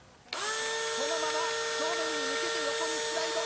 そのまま正面に向けて横にスライド。